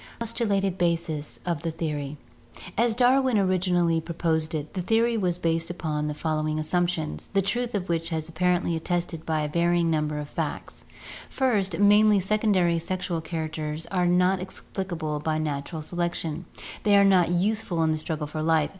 Postulated Bases of the Theory. — As Darwin originally pro posed it, the theory was based upon the following assumptions, the truth of which was apparently attested by a varying number of facts: "First, many secondary sexual characters are not explicable by natural selection; they are not useful in the struggle for life.